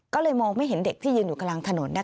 ก็เลยมองไม่เห็นเด็กที่ยืนอยู่กลางถนน